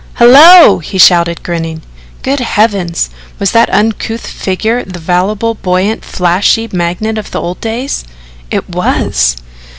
"Hello!" he shouted grinning. Good Heavens, was that uncouth figure the voluble, buoyant, flashy magnate of the old days? It was.